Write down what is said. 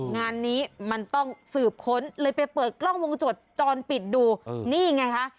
งานนี้มันต้องสืบค้นเลยไปเปิดกล้องวงจรปิดดูนี่ไงคะ